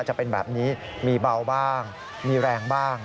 จะเป็นแบบนี้มีเบาบ้างมีแรงบ้าง